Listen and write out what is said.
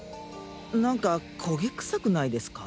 何か焦げ臭くないですか？